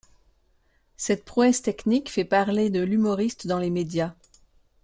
Cette prouesse technique fait parler de l'humoriste dans les médias.